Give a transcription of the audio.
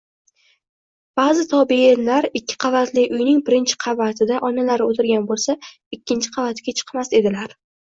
Baʼzi tobeinlar ikki qavatli uyning birinchi qavatida onalari oʻtirgan boʻlsa, ikkinchi qavatiga chiqmas edilar